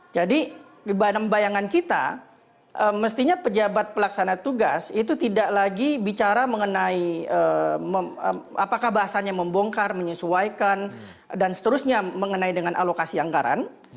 jadi di dalam bayangan kita mestinya pejabat pelaksana tugas itu tidak lagi bicara mengenai apakah bahasanya membongkar menyesuaikan dan seterusnya mengenai dengan alokasi anggaran